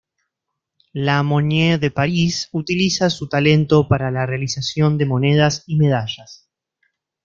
La Monnaie de París, utiliza su talento para la realización de monedas y medallas.